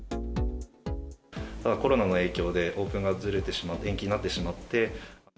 コロナの影響で、オープンがずれてしまって、延期になってしまって。